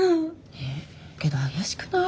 えぇ？けど怪しくない？